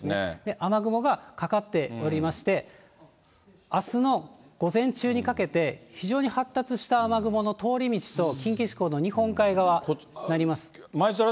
雨雲がかかっておりまして、あすの午前中にかけて、非常に発達した雨雲の通り道と近畿地方の日本海側、なります。